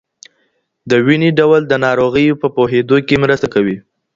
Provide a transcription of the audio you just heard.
دویني ډول د ناروغیو په پوهېدو کې مرسته کوي.